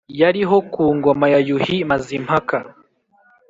yariho ku ngoma ya yuhi mazimpaka